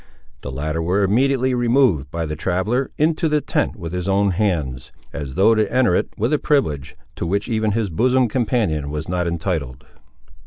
The latter were immediately removed, by the traveller, into the tent with his own hands, as though to enter it, were a privilege, to which even his bosom companion was not entitled.